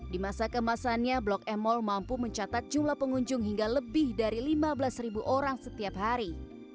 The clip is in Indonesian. di masa kemasannya blok m mall mampu mencatat jumlah pengunjung hingga lebih dari lima belas ribu orang setiap hari